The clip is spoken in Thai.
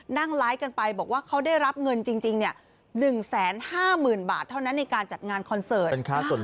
นั่งไลฟ์กันไปบอกว่าเขาได้รับเงินจริง๑๕๐๐๐บาทเท่านั้นในการจัดงานคอนเสิร์ต